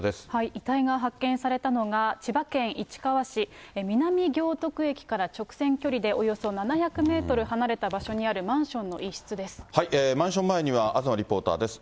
遺体が発見されたのが、千葉県市川市南行徳駅から直線距離でおよそ７００メートル離れたマンション前には東リポーターです。